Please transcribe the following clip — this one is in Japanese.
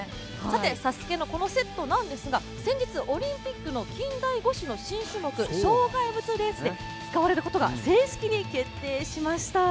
ＳＡＳＵＫＥのこのセットなんですが先日オリンピックの近代五種の新種目、障害物レースで、使われることが正式に決定しました。